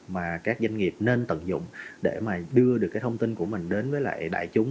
mà các doanh nghiệp nên tận dụng để đưa được thông tin của mình đến với lại đại chúng